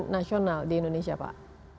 nasional di indonesia pak